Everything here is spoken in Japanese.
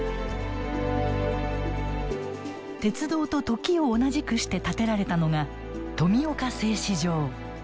鉄道と時を同じくして建てられたのが富岡製糸場。